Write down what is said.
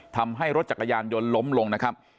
ทำให้รถจักรยานยนต์ล้มลงนะครับ